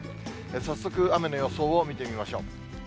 早速、雨の予想を見てみましょう。